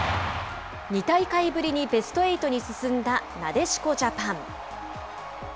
２大会ぶりにベストエイトに進んだなでしこジャパン。